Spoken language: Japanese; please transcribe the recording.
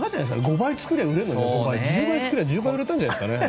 ５倍作れば５倍売れて１０倍作れば１０倍売れたんじゃないですかね。